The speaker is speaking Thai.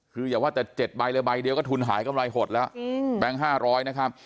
คืออย่าว่าแต่เจ็ดใบเลยใบเดียวก็ทุนหายเงินฮอดแล้วจริงแบงค์ห้าร้อยนะครับ